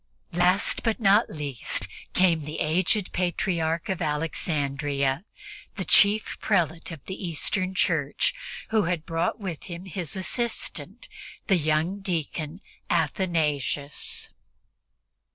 Last but not least came the aged Patriarch of Alexandria, the chief prelate of the Eastern Church, who had brought with him as his assistant the young deacon Athanasius.